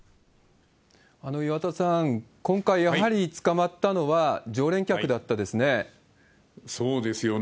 岩田さん、今回、やはり捕まったのは常連客だったですね。